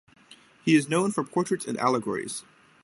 He is known for portraits and allegories.